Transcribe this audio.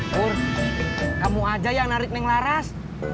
pur kamu aja yang narik neng laras